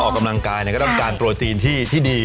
ออกกำลังกายก็ต้องการโปรตีนที่ดี